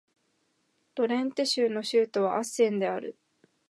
ドレンテ州の州都はアッセンである